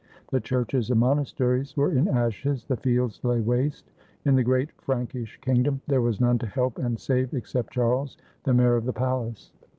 The churches and monasteries were in ashes, the fields lay waste; in the great Frankish kingdom there was none to help and save except Charles, the mayor of the palace.